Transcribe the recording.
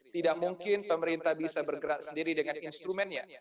tidak mungkin pemerintah bisa bergerak sendiri dengan instrumennya